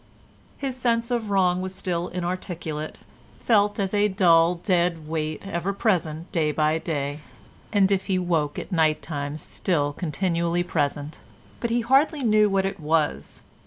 His sense of wrong was still inarticulate, felt as a dull dead weight ever present day by day, and if he woke at night time still continually present, but he hardly knew what it was.